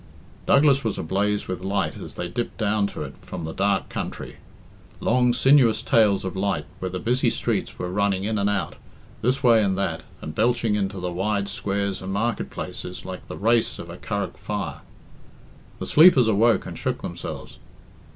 Douglas was ablaze with light as they dipped down to it from the dark country. Long sinuous tails of light where the busy streets were, running in and out, this way and that, and belching into the wide squares and market places like the race of a Curragh fire. The sleepers awoke and shook themselves.